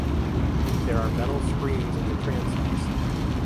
There are metal screens in the transepts.